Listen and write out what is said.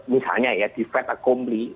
misalnya ya di veta comli